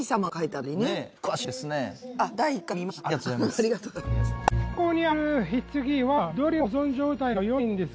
ありがとうございます。